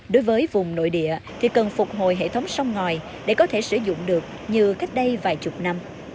đối với vùng nội địa thì cần phục hồi hệ thống sông ngòi để có thể sử dụng được như cách đây vài chục năm